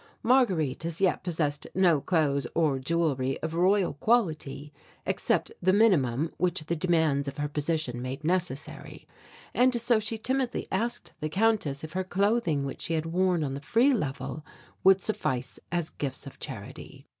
Marguerite as yet possessed no clothes or jewelry of Royal quality except the minimum which the demands of her position made necessary; and so she timidly asked the Countess if her clothing which she had worn on the Free Level would suffice as gifts of charity.